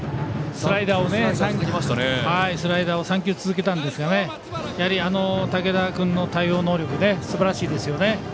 スライダーを３球続けたんですがやはり、武田君の対応能力すばらしいですよね。